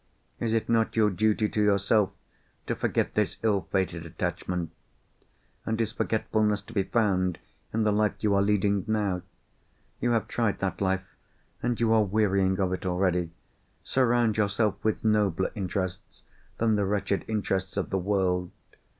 Is it not your duty to yourself to forget this ill fated attachment? and is forgetfulness to be found in the life you are leading now? You have tried that life, and you are wearying of it already. Surround yourself with nobler interests than the wretched interests of the world.